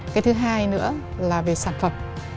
cái thứ hai nữa là về sản phẩm